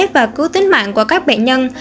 và cứu tính mạng của các bệ nhân